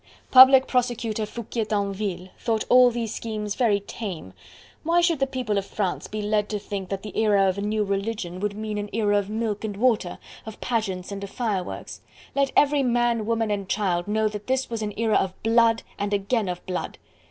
Public Prosecutor Foucquier Tinville thought all these schemes very tame. Why should the People of France be led to think that the era of a new religion would mean an era of milk and water, of pageants and of fireworks? Let every man, woman, and child know that this was an era of blood and again of blood.